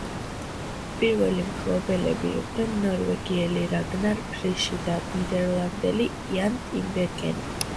პირველი მფლობელები იყვნენ ნორვეგიელი რაგნარ ფრიში და ნიდერლანდელი იან ტინბერგენი.